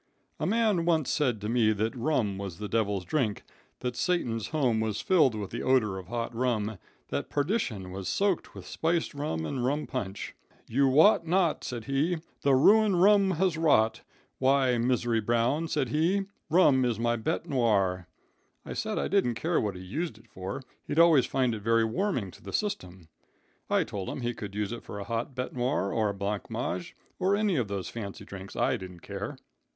"A man once said to me that rum was the devil's drink, that Satan's home was filled with the odor of hot rum, that perdition was soaked with spiced rum and rum punch. 'You wot not,' said he, 'the ruin rum has rot. Why, Misery Brown,' said he, 'rum is my bete noir.' I said I didn't care what he used it for, he'd always find it very warming to the system. I told him he could use it for a hot bete noir, or a blanc mange, or any of those fancy drinks; I didn't care.